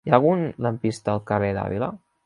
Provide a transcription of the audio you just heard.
Hi ha algun lampista al carrer d'Àvila?